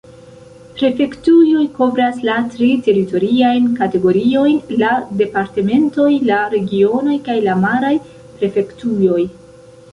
Prefektujoj kovras la tri teritoriajn kategoriojn: la departementoj, la regionoj kaj la maraj prefektujoj.